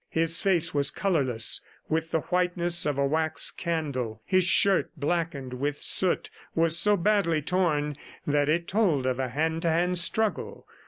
His face was colorless, with the whiteness of a wax candle. His shirt, blackened with soot, was so badly torn that it told of a hand to hand struggle.